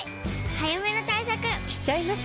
早めの対策しちゃいます。